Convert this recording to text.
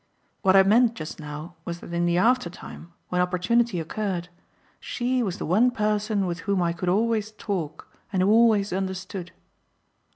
What I meant just now was that in the aftertime, when opportunity occurred, she was the one person with whom I could always talk and who always understood."